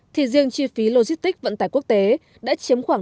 thì riêng chi phí logistics vận tải quốc tế đã chiếm khoảng